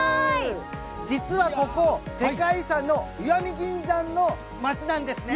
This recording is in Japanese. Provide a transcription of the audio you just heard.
実はここ、世界遺産の石見銀山の町なんです。